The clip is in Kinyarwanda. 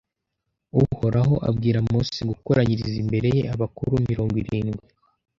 Uhoraho abwira Mose gukoranyiriza imbere ye abakuru mirongo irindwi